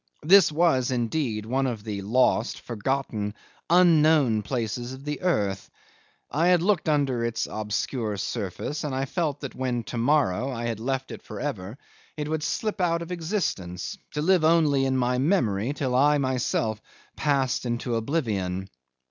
This was, indeed, one of the lost, forgotten, unknown places of the earth; I had looked under its obscure surface; and I felt that when to morrow I had left it for ever, it would slip out of existence, to live only in my memory till I myself passed into oblivion.